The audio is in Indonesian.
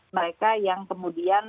mereka yang kemudian